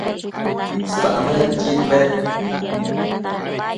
samëdquid bed